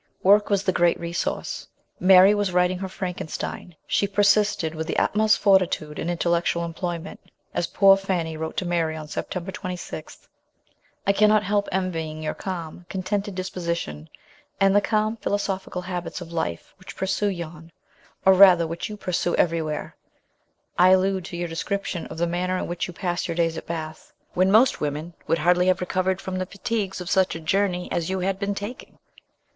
Work was the great resource. Mary was writing her Frankenstein. She persisted with the utmost fortitude in intellectual employment, as poor Fanny wrote to Mary on September 26 :" I cannot help envying your calm, contented disposition, aud the calm philosophical habits of life which pursue you; or, rather, which you pursue everywhere ; I allude to your description of the manner in which you pass your days at Bath, when most women would hardly have recovered from the fatigues of such a journey as you had been taking."